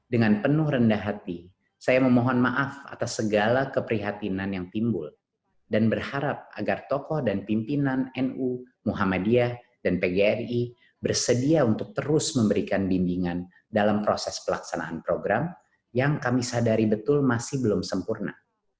dengan penuh rendah hati saya memohon maaf atas segala keprihatinan yang timbul dan berharap agar tokoh dan pimpinan nu muhammadiyah dan pgri bersedia untuk terus memberikan bimbingan dalam proses pelaksanaan program yang kami sadari betul masih belum sempurna